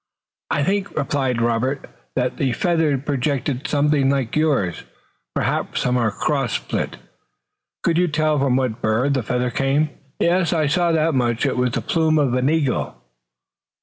"I think," replied Robert, "that the feather projected something like yours, perhaps from a cross splint." "Could you tell from what bird the feather came?" "Yes, I saw that much. It was the plume of an eagle."